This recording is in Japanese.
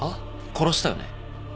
殺したよね。